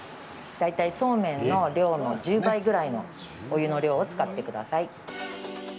大体そうめんの量の１０倍ぐらいのお湯の量を使ってください。